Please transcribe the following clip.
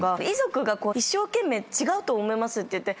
遺族が一生懸命違うと思いますって。